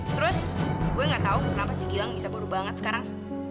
terus gue nggak tahu kenapa si gilang bisa bodo banget sekarang